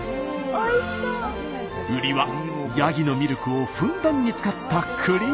売りはやぎのミルクをふんだんに使ったクリームソース。